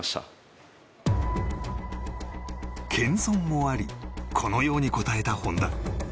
謙遜もありこのように答えた本多。